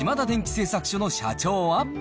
製作所の社長は。